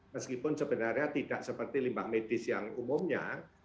meskipun sebenarnya tidak seperti limbah medis yang umumnya